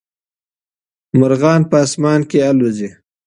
مرغان په اسمان کي البوځي.